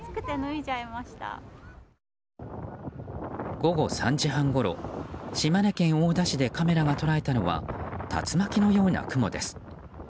午後３時半ごろ島根県大田市でカメラが捉えたのは竜巻のような雲です。